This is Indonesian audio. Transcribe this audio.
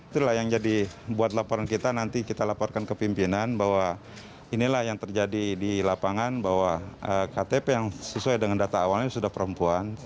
itulah yang jadi buat laporan kita nanti kita laporkan ke pimpinan bahwa inilah yang terjadi di lapangan bahwa ktp yang sesuai dengan data awalnya sudah perempuan